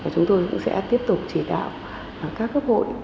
chúng tôi cũng sẽ tiếp tục chỉ đạo các cấp hội